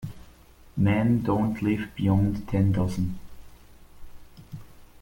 Men don’t live beyond ten dozen.